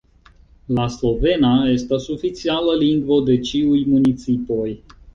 La slovena estas oficiala lingvo de ĉiuj municipoj.